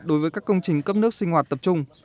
đối với các công trình cấp nước sinh hoạt tập trung